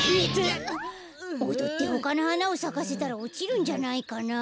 おどってほかのはなをさかせたらおちるんじゃないかな。